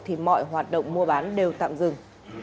thì mọi hoạt động mua bán đều tạm dừng